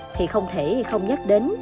thì không thể không nhắc đến